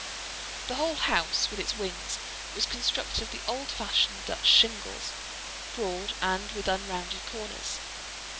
The whole house, with its wings, was constructed of the old fashioned Dutch shingles—broad, and with unrounded corners.